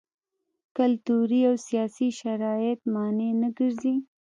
کلتوري او سیاسي شرایط مانع نه ګرځي.